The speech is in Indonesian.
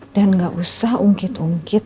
dan gak usah ungkit ungkit